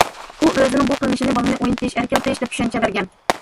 ئۇ ئۆزىنىڭ بۇ قىلمىشىنى بالىنى ئوينىتىش، ئەركىلىتىش دەپ چۈشەنچە بەرگەن.